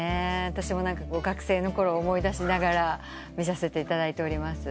私も学生のころを思い出しながら見させていただいております。